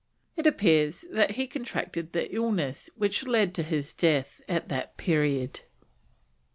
It appears that he contracted the illness which led to his death at this period.